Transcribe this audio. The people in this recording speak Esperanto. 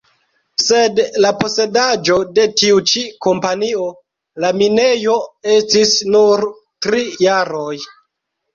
Sed la posedaĵo de tiu ĉi kompanio la minejo estis nur tri jaroj.